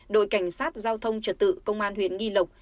đội cảnh sát giao thông trật tự công an huyện nghi lộc